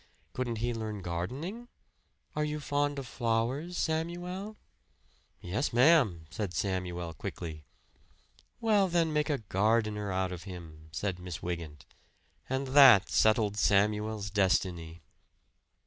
Couldn't he learn gardening? Are you fond of flowers, Samuel?" "Yes, ma'am," said Samuel quickly. "Well, then, make a gardener out of him," said Miss Wygant; and that settled Samuel's destiny.